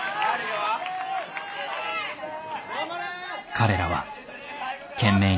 彼らは懸命に戦う。